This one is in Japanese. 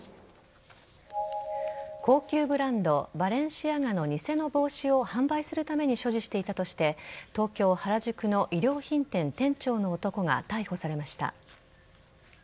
高級ブランドバレンシアガの偽の帽子を販売するために所持していたとして東京・原宿の衣料品店店長の男が逮捕されました。